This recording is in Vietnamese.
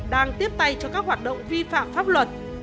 đang tiếp tay cho các hoạt động vi phạm pháp luật